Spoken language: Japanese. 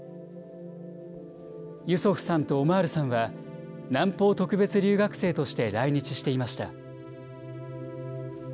ユソフさんとオマールさんは南方特別留学生として来日していました。